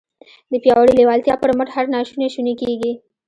د پياوړې لېوالتیا پر مټ هر ناشونی شونی کېږي.